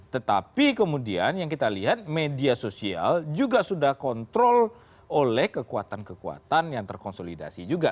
tetapi kemudian yang kita lihat media sosial juga sudah kontrol oleh kekuatan kekuatan yang terkonsolidasi juga